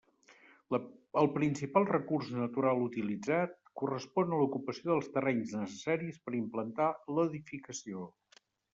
El principal recurs natural utilitzat correspon a l'ocupació dels terrenys necessaris per implantar l'edificació.